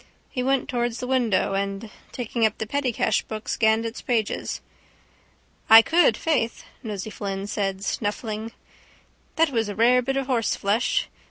He went towards the window and, taking up the pettycash book, scanned its pages. —I could, faith, Nosey Flynn said, snuffling. That was a rare bit of horseflesh.